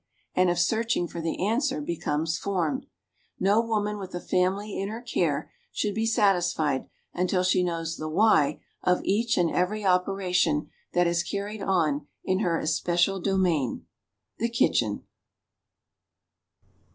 and of searching for the answer becomes formed. No woman with a family in her care should be satisfied until she knows the "why" of each and every operation that is carried on in her especial domain, the kitchen.